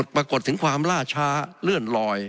ปรากฏถึงความล่าช้าเลื่อนลอย